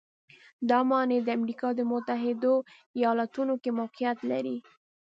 دا ماڼۍ د امریکا د متحدو ایالتونو کې موقعیت لري.